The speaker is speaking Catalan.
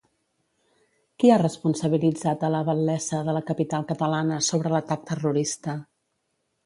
Qui ha responsabilitzat a la batlessa de la capital catalana sobre l'atac terrorista?